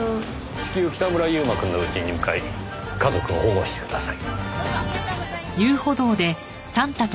至急北村悠馬くんの家に向かい家族を保護してください。